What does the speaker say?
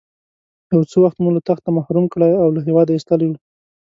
یو څه وخت مو له تخته محروم کړی او له هېواده ایستلی وو.